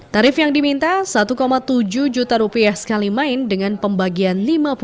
tarif yang diminta rp satu tujuh juta rupiah sekali main dengan pembagian lima puluh